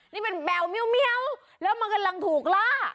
นี่เป็นแมวเมียวแล้วมันกำลังถูกล่า